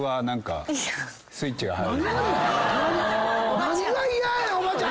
何が「イヤッ」や⁉おばちゃん！